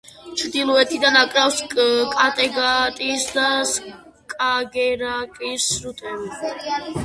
ჩრდილოეთიდან აკრავს კატეგატის და სკაგერაკის სრუტეები.